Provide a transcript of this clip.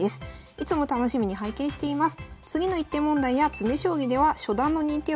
「いつも楽しみに拝見しています」。